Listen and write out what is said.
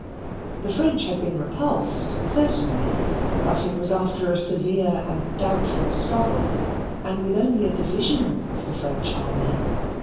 The French had been repulsed certainly, but it was after a severe and doubtful struggle, and with only a division of the French army.